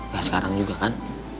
gak sekarang juga kan